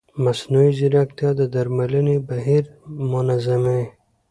مصنوعي ځیرکتیا د درملنې بهیر منظموي.